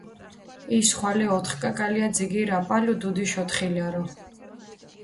ის ხვალე ოთხკაკალია ძიგირჷ აპალუ დუდიშ ოთხილარო.